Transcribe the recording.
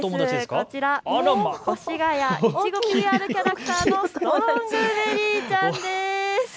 こちら、越谷いちごＰＲキャラクターのストロングベリーちゃんです。